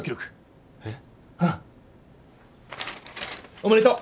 おめでとう。